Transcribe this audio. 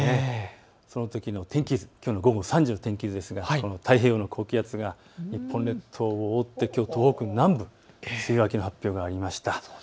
そのときの天気図、きょう午後３時の天気図ですが太平洋の高気圧が日本列島を覆って東北南部、梅雨明けの発表がありました。